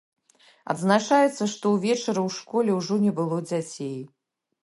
Адзначаецца, што ўвечары ў школе ўжо не было дзяцей.